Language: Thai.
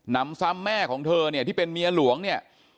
นำซ้ำแม่ของเธอเนี่ยที่เป็นเมียหลวงเนี่ย